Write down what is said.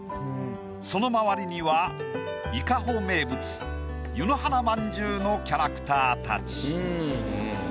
その周りには伊香保名物湯の花まんじゅうのキャラクターたち。